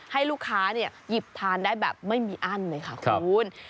ให้ลูกค้าหยิบทานได้แบบไม่มีอั้นเลยค่ะคุณ